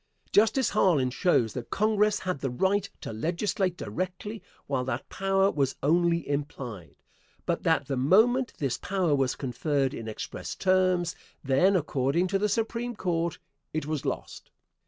Justice Harlan shows that Congress had the right to legislate directly while that power was only implied, but that the moment this power was conferred in express terms, then according to the Supreme Court, it was lost.